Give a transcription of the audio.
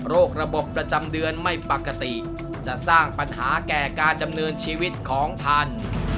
โรคระบบประจำเดือนไม่ปกติจะสร้างปัญหาแก่การดำเนินชีวิตของท่าน